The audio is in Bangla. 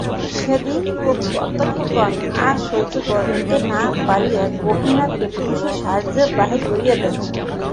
সেদিন অধ্যক্ষগণ আর সহ্য করিতে না পারিয়া গোপীনাথকে পুলিসের সাহায্যে বাহির করিয়া দেয়।